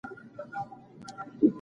موږ د پښتو ادب راتلونکي ته هیله مند یو.